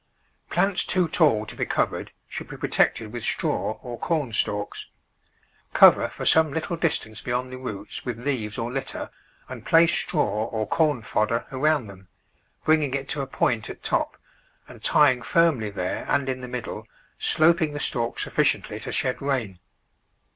Plants too tall to be covered should be protected with straw or corn stalks; cover for some litttle dis tance beyond the roots with leaves or litter, and place straw or corn fodder around them, bringing it to a point at top, and tying firmly there and in the middle, sloping the stalks sufficiently to shed rain.